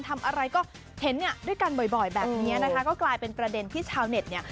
ทำอะไรก็เห็นเนี่ยด้วยกันบ่อยแบบนี้นะคะก็กลายเป็นประเด็นที่ชาวเน็ตเนี่ย